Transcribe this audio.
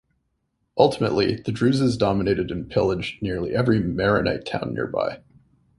Ultimately, the Druzes dominated and pillage nearly every Maronite town nearby.